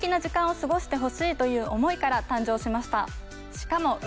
しかも。